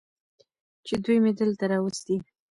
چې دوي مې دلته راوستي.